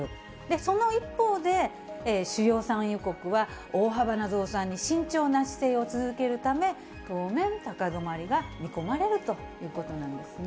その一方で、主要産油国は大幅な増産に慎重な姿勢を続けるため、当面、高止まりが見込まれるということなんですね。